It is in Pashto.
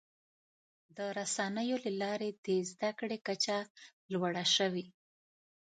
د رسنیو له لارې د زدهکړې کچه لوړه شوې.